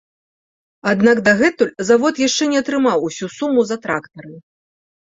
Аднак дагэтуль завод яшчэ не атрымаў усю суму за трактары.